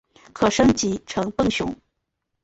可升级成奔熊。